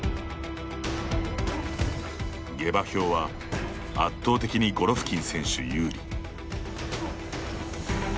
下馬評は、圧倒的にゴロフキン選手有利。